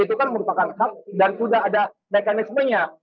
itu kan merupakan hak dan sudah ada mekanismenya